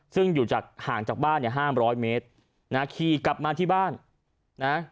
ซึ่งห่างจากบ้าน๕๐๐เมตรขี่กลับมาที่บ้าน